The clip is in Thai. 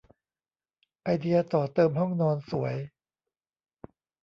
ไอเดียต่อเติมห้องนอนสวย